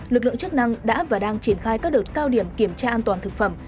lực lượng chức năng đã và đang triển khai các đợt cao điểm kiểm tra an toàn thực phẩm